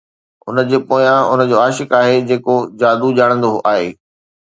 هن جي پويان هن جو عاشق آهي جيڪو جادو ڄاڻندو آهي